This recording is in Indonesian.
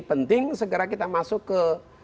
penting segera kita masuk ke